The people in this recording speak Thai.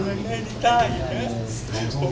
ไม่ได้ดีต้าอีกนะ